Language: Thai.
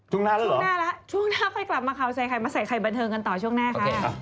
ช่วงหน้าแล้วเหรอคะช่วงหน้าค่ะช่วงหน้าค่อยกลับมาเขาใส่ไข่มาใส่ไข่บันเทิงกันต่อช่วงหน้าค่ะ